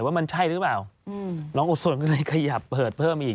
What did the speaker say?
ว่ามันใช่หรือเปล่าน้องโอสนก็เลยขยับเปิดเพิ่มอีก